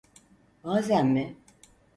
Bazen mi?